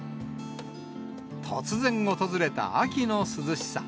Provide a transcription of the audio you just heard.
突然訪れた秋の涼しさ。